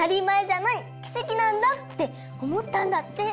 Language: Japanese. きせきなんだ」っておもったんだって。